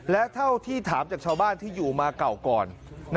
และเท่าที่ถามจากชาวบ้านที่อยู่มาเก่าก่อน